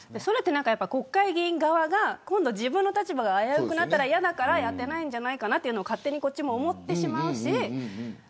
国会議員側が自分の立場が危うくなったら嫌だからやってないんじゃないかと勝手にこっちも思ってしまうし